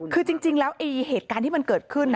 คือจริงแล้วเหตุการณ์ที่มันเกิดขึ้น